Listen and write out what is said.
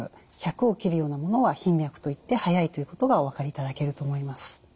１００を切るようなものは頻脈といって速いということがお分かりいただけると思います。